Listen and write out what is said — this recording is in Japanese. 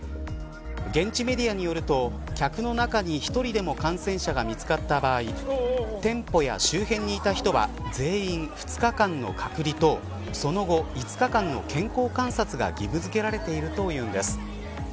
現地メディアによると客の中に１人でも感染者が見つかった場合店舗や周辺にいた人は全員２日間の隔離とその後、５日間の健康観察が義務付けられているというんです。